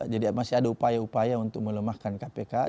jadi masih ada upaya upaya untuk melemahkan kpk